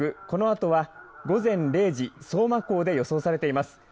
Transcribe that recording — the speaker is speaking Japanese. このあとは午前０時、相馬港で予想されています。